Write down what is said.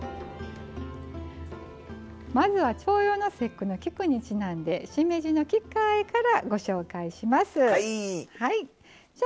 まずは重陽の節句の菊にちなんでしめじの菊花あえからご紹介します。